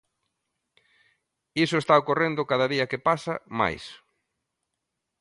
Iso está ocorrendo, cada día que pasa, máis.